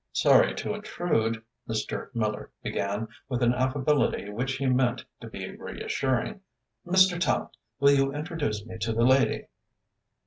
"Sorry to intrude," Mr. Miller began, with an affability which he meant to be reassuring. "Mr. Tallente, will you introduce me to the lady?"